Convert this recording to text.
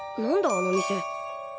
あの店。